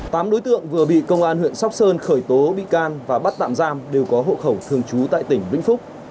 tám đối tượng vừa bị công an huyện sóc sơn khởi tố bị can và bắt tạm giam đều có hộ khẩu thường trú tại tỉnh vĩnh phúc